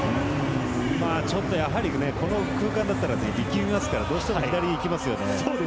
ちょっとこの空間だったら力みますからどうしても左にいきますよね。